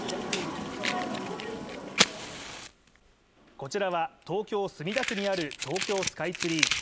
こちらは東京・墨田区にある東京スカイツリー。